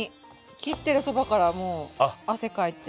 切ってるそばからもう汗かいて。